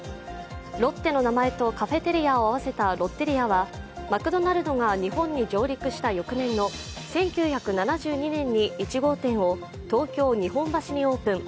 ロッテの名前とカフェテリアを合わせたロッテリアは、マクドナルドが日本に上陸した翌年の１９７２年に１号店を東京・日本橋にオープン。